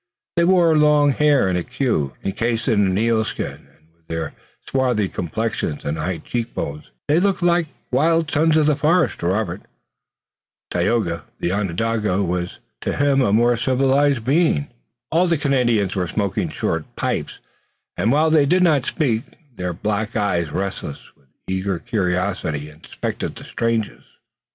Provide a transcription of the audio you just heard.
They wore long hair in a queue, incased in an eel skin, and with their swarthy complexions and high cheek bones they looked like wild sons of the forest to Robert. Tayoga, the Onondaga, was to him a more civilized being. All the Canadians were smoking short pipes, and, while they did not speak, their black eyes, restless with eager curiosity, inspected the strangers.